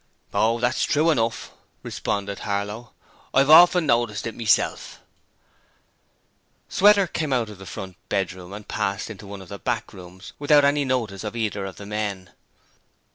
'Oh, that's true enough,' responded Harlow. 'I've often noticed it meself.' Sweater came out of the front bedroom and passed into one of the back rooms without any notice of either of the men.